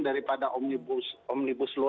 daripada omnibus law